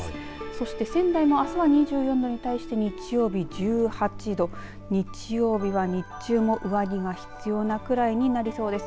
そして仙台もあすは２４度に対して日曜日は１８度日曜日は日中も上着が必要なくらいになりそうです。